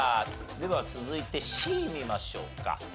では続いてＣ見ましょうか。